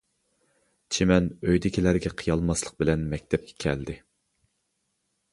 چىمەن ئۆيىدىكىلەرگە قىيالماسلىق بىلەن مەكتەپكە كەلدى.